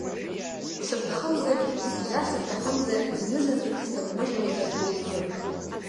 Сыбҭахымзаргь, зынӡа сыбҭахымзаргь, зынзаҵәык сҭабмыжьлозар быгәгьы…